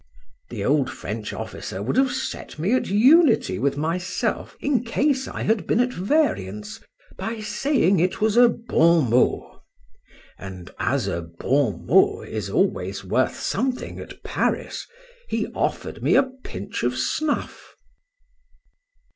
The old French officer would have set me at unity with myself, in case I had been at variance,—by saying it was a bon mot;—and, as a bon mot is always worth something at Paris, he offered me a pinch of snuff.